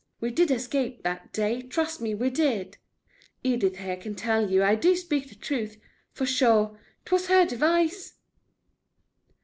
"We did escape that way, trust me we did; Edith here can tell you I do speak the truth for sure, 't was her device."